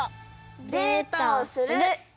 デートをする！